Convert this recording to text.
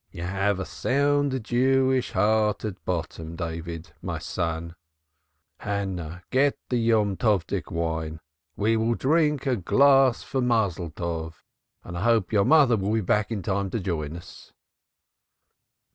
You have a sound Jewish heart at bottom, David, my son. Hannah, get the Yomtovdik wine. We will drink, a glass for Mazzoltov, and I hope your mother will be back in time to join in."